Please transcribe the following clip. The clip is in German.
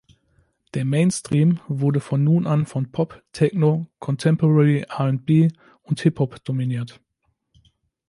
Der Mainstream wurde von nun an von Pop, Techno, Contemporary R&B und Hip-Hop dominiert.